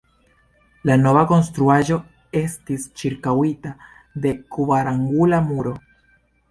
La nova konstruaĵo estis ĉirkaŭita de kvarangula muro.